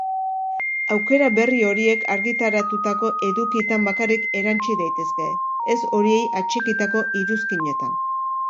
Aukera berri horiek argitaratutako edukietan bakarrik erantsi daitezke, ez horiei atxikitako iruzkinetan.